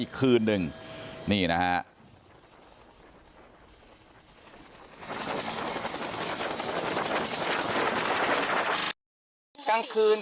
ขอบคุณทุกคน